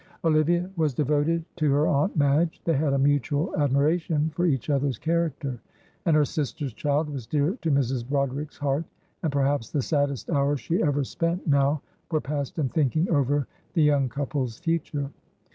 Olivia was devoted to her Aunt Madge; they had a mutual admiration for each other's character, and her sister's child was dear to Mrs. Broderick's heart, and perhaps the saddest hours she ever spent now were passed in thinking over the young couple's future.